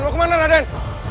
mau kemana raden